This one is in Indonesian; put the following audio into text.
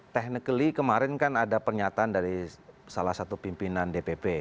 technically kemarin kan ada pernyataan dari salah satu pimpinan dpp